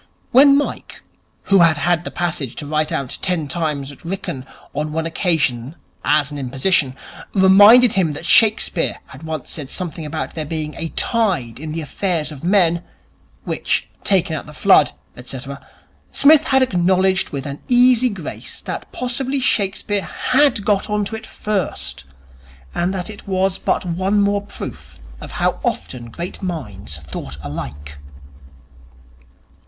When Mike, who had had the passage to write out ten times at Wrykyn on one occasion as an imposition, reminded him that Shakespeare had once said something about there being a tide in the affairs of men, which, taken at the flood, &c., Psmith had acknowledged with an easy grace that possibly Shakespeare had got on to it first, and that it was but one more proof of how often great minds thought alike.